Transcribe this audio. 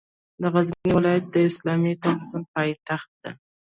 د غزني ولایت د اسلامي تمدن پاېتخت ده